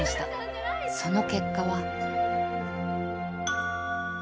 その結果は